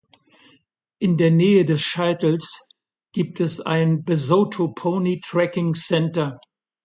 In der Nähe des Scheitels gibt es ein "Basotho Pony Trekking Centre".